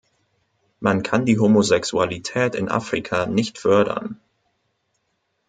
Man kann die Homosexualität in Afrika nicht fördern.